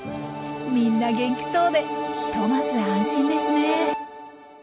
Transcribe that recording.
みんな元気そうでひとまず安心ですねえ。